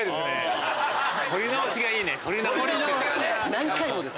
何回もです。